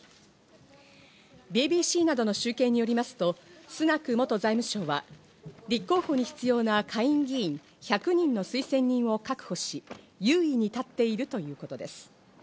ＢＢＣなどの集計によりますと、スナク元財務相は立候補に必要な下院議員、１００人の推薦人を確保し、優位に立っているということです。